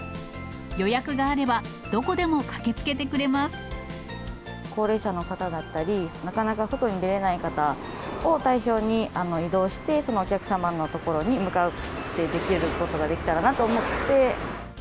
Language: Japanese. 予約があれば、高齢者の方だったり、なかなか外に出れない方を対象に移動して、そのお客様のところに向かってできることができたらなと思って。